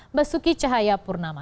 mbak suki cahayapurnama